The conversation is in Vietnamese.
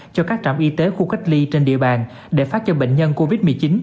cho các trạm y tế khu cách ly trên địa bàn để phát cho bệnh nhân covid một mươi chín